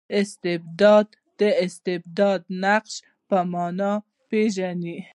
استبداد د استبداد د نقش په مانا پېژني.